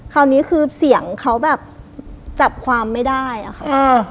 คราวนี้คือเสียงเขาแบบจับความไม่ได้อะค่ะ